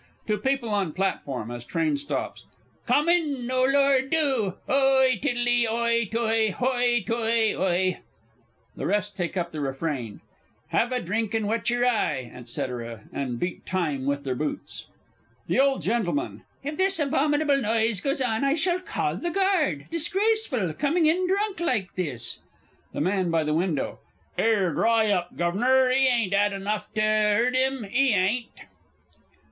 (To people on platform, as train stops.) Come in, oh, lor, do! "Oi tiddly oi toi! hoi toi oy!" [The rest take up the refrain "'Ave a drink an' wet your eye," &c. and beat time with their boots. THE O. G. If this abominable noise goes on, I shall call the guard disgraceful, coming in drunk like this! THE MAN BY THE WINDOW. 'Ere, dry up, Guv'nor 'e ain't 'ad enough to urt 'im, 'e ain't!